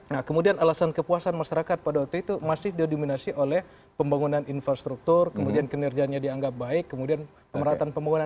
nah kemudian alasan kepuasan masyarakat pada waktu itu masih didominasi oleh pembangunan infrastruktur kemudian kinerjanya dianggap baik kemudian pemerataan pembangunan